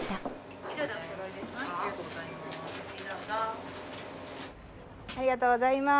ありがとうございます。